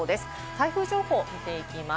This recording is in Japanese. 台風情報を見ていきます。